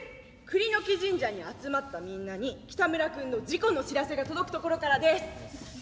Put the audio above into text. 栗の木神社に集まったみんなにキタムラ君の事故の知らせが届くところからです。